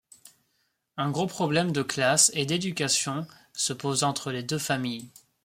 Un gros problème de classe et d'éducation se pose entre les deux familles.